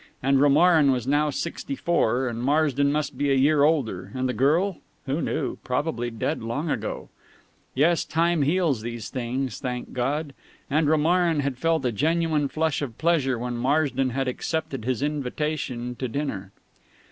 And Romarin was now sixty four, and Marsden must be a year older, and the girl who knew? probably dead long ago ... Yes, time heals these things, thank God; and Romarin had felt a genuine flush of pleasure when Marsden had accepted his invitation to dinner.